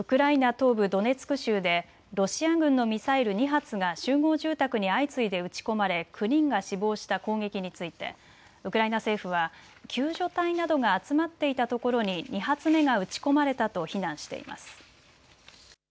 東部ドネツク州でロシア軍のミサイル２発が集合住宅に相次いで撃ち込まれ９人が死亡した攻撃についてウクライナ政府は救助隊などが集まっていたところに２発目が撃ち込まれたと非難しています。